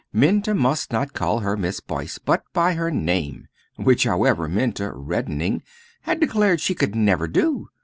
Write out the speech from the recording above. Minta must not call her Miss Boyce, but by her name; which, however, Minta, reddening, had declared she could never do.